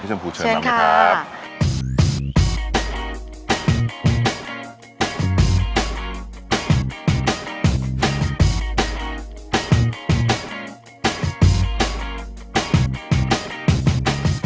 พี่ชมพูเชิญมากครับใช่ค่ะ